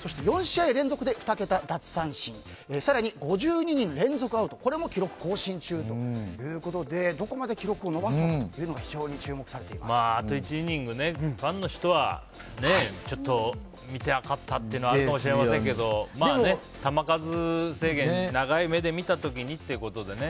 そして４試合連続で２桁奪三振更に５２人連続アウトこれも記録更新中ということでどこまで記録を伸ばすのかということがあと１イニング、ファンの人は見たかったっていうのはあると思いますけど球数制限、長い目で見た時にということでね。